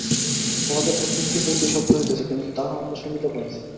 উহাদের প্রত্যেকটি হইতেই শব্দ হইতেছে, কিন্তু তাহা আমরা শুনিতে পাই না।